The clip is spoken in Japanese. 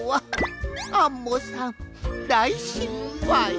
アンモさんだいしっぱい。